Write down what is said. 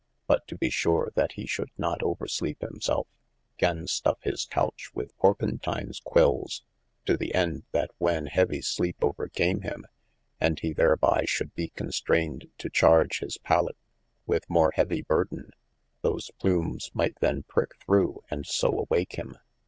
But to be sure that he should not over sleepe him selfe, gane stuffe hys couch with Porpentines quilles, to the ende that when heavy sleep overcame him, and he thereby should be constrayned to charge his pallad with more heavye burden, those plumes might then pricke through and so awake him.